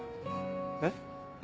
えっ？